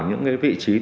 những vị trí thông